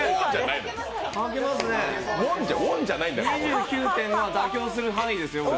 ２９．５は妥協する範囲ですよ。